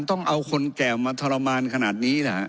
ต้องเอาคนแก่มาทรมานขนาดนี้นะฮะ